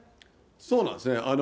そうなんですね。